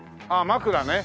枕